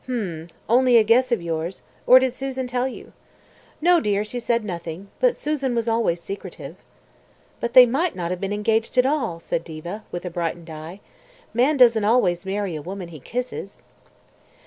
'" "H'm. Only a guess of yours. Or did Susan tell you?" "No, dear, she said nothing. But Susan was always secretive." "But they might not have been engaged at all," said Diva with a brightened eye. "Man doesn't always marry a woman he kisses!"